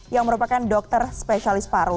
yang merupakan dokter spesialis paru